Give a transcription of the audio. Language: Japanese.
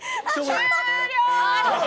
終了！